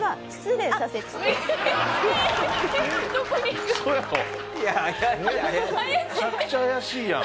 めちゃくちゃ怪しいやん。